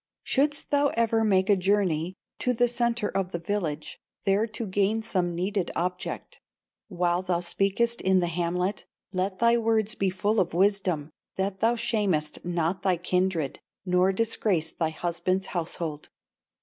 "Shouldst thou ever make a journey To the centre of the village, There to gain some needed object, While thou speakest in the hamlet, Let thy words be full of wisdom, That thou shamest not thy kindred, Nor disgrace thy husband's household.